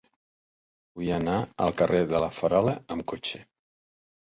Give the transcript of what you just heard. Vull anar al carrer de La Farola amb cotxe.